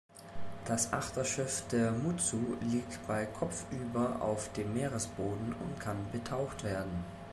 Das Achterschiff der "Mutsu" liegt bei kopfüber auf dem Meeresboden und kann betaucht werden.